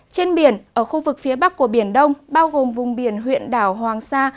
trên biển ở khu vực phía bắc của biển đông bao gồm vùng biển huyện đảo hoàng sa